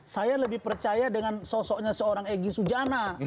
saya lebih percaya dengan sosoknya seorang egy sujana